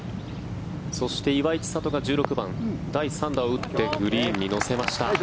そして岩井千怜が１６番第３打を打ってグリーンに乗せました。